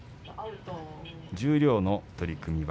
十両の取組